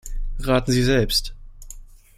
Raten Sie selbst!